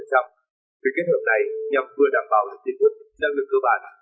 cái kết hợp này nhằm vừa đảm bảo được tiền thuật năng lực cơ bản